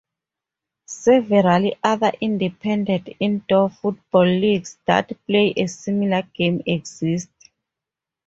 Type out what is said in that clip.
Several other independent indoor football leagues that play a similar game exist.